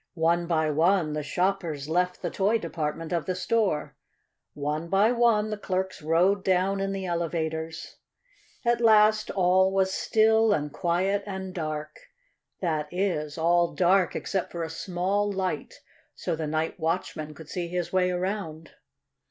One by one the shoppers left the toy department of the store. One by one the clerks rode down in the elevators. At last all was still and quiet and dark that is, all dark except for a small light, so the night watchman could see his way around.